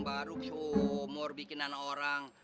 baru sumur bikinan orang